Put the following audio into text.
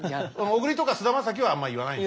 小栗とか菅田将暉はあんま言わない。